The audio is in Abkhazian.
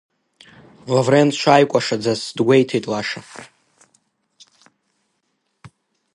Лаврент дшааикәашәаӡаз гәеиҭеит Лаша.